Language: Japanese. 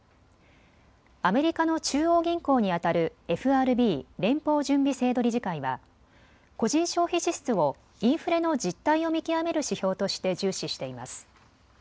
アメリカの中央銀行にあたるＦＲＢ・連邦準備制度理事会は個人消費支出をインフレの実態を見極める指標として重視しています。